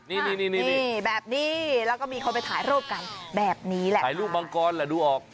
นี่นี่แบบนี้แล้วก็มีคนไปถ่ายรูปกันแบบนี้แหละถ่ายรูปมังกรแหละดูออก